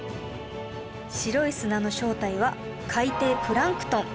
白い砂の正体は海底プランクトン